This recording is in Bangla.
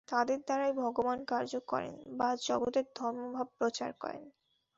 তাঁদের দ্বারাই ভগবান কার্য করেন বা জগতের ধর্মভাব প্রচার করেন।